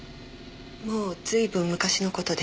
もう随分昔の事です。